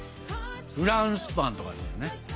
フランスパンとかだよね。